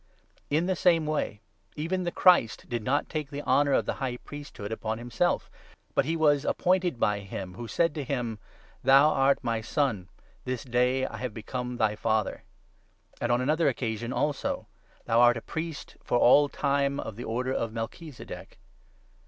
In the same way, even 5 the Christ did not take the honour of the High Priesthood upon himself, but he was appointed by him who said to him —' Thou art my Son ; this day I have become thy Father '; and on another occasion also — 6 ' Thou art a priest for all time of the order of Melchizedek.'